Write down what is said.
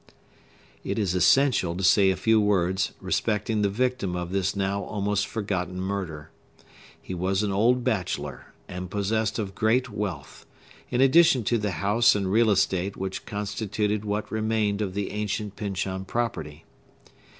It is essential to say a few words respecting the victim of this now almost forgotten murder. He was an old bachelor, and possessed of great wealth, in addition to the house and real estate which constituted what remained of the ancient Pyncheon property.